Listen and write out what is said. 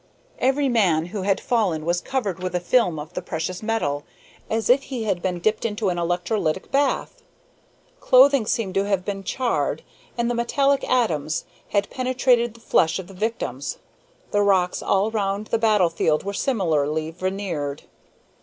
Every man who had fallen was covered with a film of the precious metal, as if he had been dipped into an electrolytic bath. Clothing seemed to have been charred, and the metallic atoms had penetrated the flesh of the victims. The rocks all round the battle field were similarly veneered.